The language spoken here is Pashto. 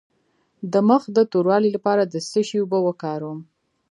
د مخ د توروالي لپاره د څه شي اوبه وکاروم؟